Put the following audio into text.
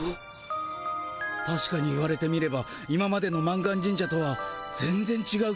たしかに言われてみれば今までの満願神社とは全ぜんちがう気がするな。